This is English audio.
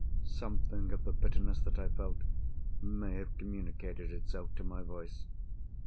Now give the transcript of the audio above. Something of the bitterness that I felt may have communicated itself to my voice.